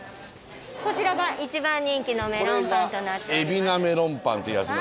こちらが一番人気のメロンパンとなっております。